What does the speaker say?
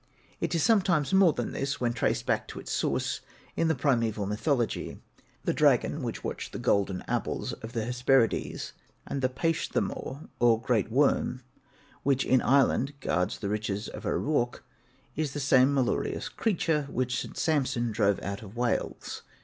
It is something more than this, when traced back to its source in the primeval mythology; the dragon which watched the golden apples of Hesperides, and the Payshtha more, or great worm, which in Ireland guards the riches of O'Rourke, is the same malarious creature which St. Samson drove out of Wales.